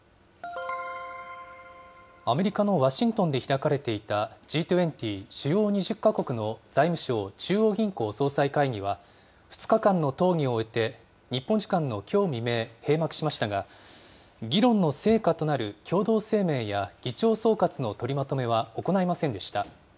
アメリカのワシントンで開かれていた、Ｇ２０・主要２０か国の財務相・中央銀行総裁会議は、２日間の討議を終えて、日本時間のきょう未明、閉幕しましたが、議論の成果となる共同声明や議長総括の取りまとめは行いませんでした。